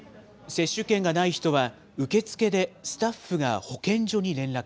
接種券がない人は受付でスタッフが保健所に連絡。